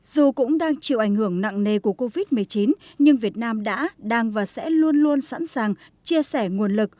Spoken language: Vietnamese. dù cũng đang chịu ảnh hưởng nặng nề của covid một mươi chín nhưng việt nam đã đang và sẽ luôn luôn sẵn sàng chia sẻ nguồn lực